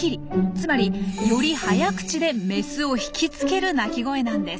つまりより早口でメスをひきつける鳴き声なんです。